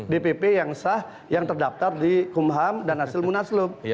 dpp yang sah yang terdaftar di kumham dan hasil munaslup